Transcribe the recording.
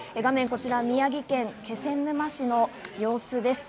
こちら、宮城県気仙沼市の様子です。